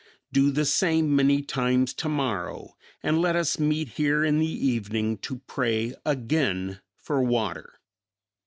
Do the same many times tomorrow, and let us meet here in the evening to pray again for water."